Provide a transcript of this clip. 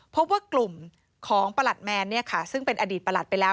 พบว่ากลุ่มของประหลัดแมนซึ่งเป็นอดีตประหลัดไปแล้ว